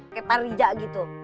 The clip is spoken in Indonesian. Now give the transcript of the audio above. kayak pak rija gitu